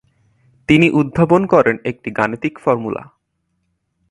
তিনি উদ্ভাবন করেন একটা গাণিতিক ফর্মুলা।